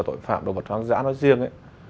tội phạm động vật hoang dã nó riêng